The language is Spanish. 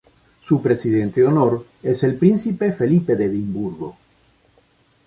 Su presidente de honor es el Príncipe Felipe de Edimburgo.